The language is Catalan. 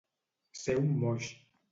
Ser un moix.